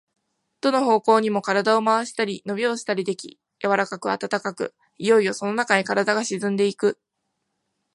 どの方向にも身体を廻したり、のびをしたりでき、柔かく暖かく、いよいよそのなかへ身体が沈んでいく。